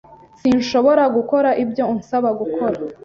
Sinshobora gukora ibyo unsaba gukora.